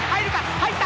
入った！